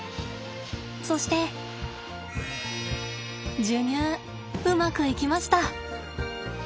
そして授乳うまくいきました。